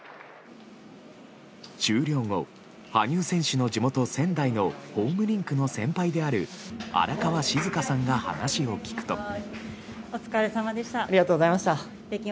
終了後、羽生選手の地元・仙台のホームリンクの先輩である荒川静香さんが話を聞くと。